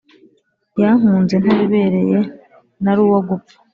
Yankunze ntabibereye nari uwo gupfa